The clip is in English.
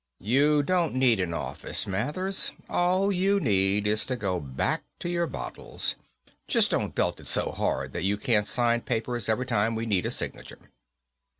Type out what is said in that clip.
"You don't need an office, Mathers. All you need is to go back to your bottles. Just don't belt it so hard that you can't sign papers every time we need a signature."